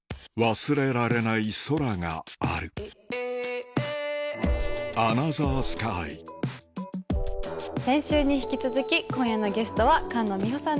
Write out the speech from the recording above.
忘れられない空がある先週に引き続き今夜のゲストは菅野美穂さんです。